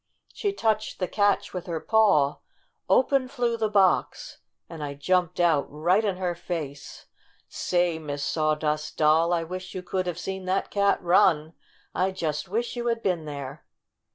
She touched the catch with her paw, open flew the box, and I jumped out right in her face ! Say, Miss Sawdust Doll, I wish you could have seen that cat run! I just wish you had been there!"